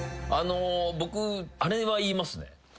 僕あれは言いますね。